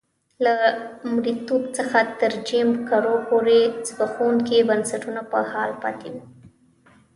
له مریتوب څخه تر جیم کرو پورې زبېښونکي بنسټونه په حال پاتې وو.